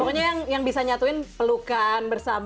pokoknya yang bisa nyatuin pelukan bersama